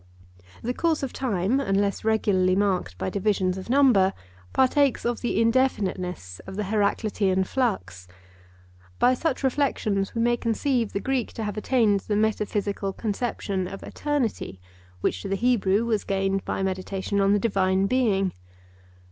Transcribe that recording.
The course of time, unless regularly marked by divisions of number, partakes of the indefiniteness of the Heraclitean flux. By such reflections we may conceive the Greek to have attained the metaphysical conception of eternity, which to the Hebrew was gained by meditation on the Divine Being.